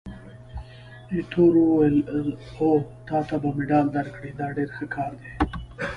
ایټور وویل: اوه، تا ته به مډال درکړي! دا ډېر ښه کار دی.